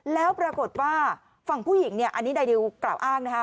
แล้วปรากฏว่าฝั่งผู้หญิงเนี่ยอันนี้นายดิวกล่าวอ้างนะคะ